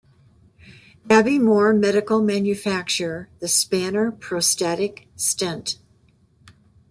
AbbeyMoor Medical manufacture The Spanner Prostatic stent.